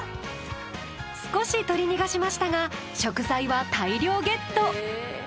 少し取り逃がしましたが食材は大量ゲット。